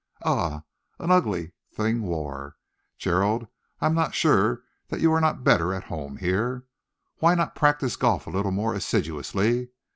Ugh! An ugly thing war, Gerald. I am not sure that you are not better at home here. Why not practise golf a little more assiduously?